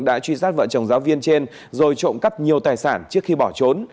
đã truy sát vợ chồng giáo viên trên rồi trộm cắp nhiều tài sản trước khi bỏ trốn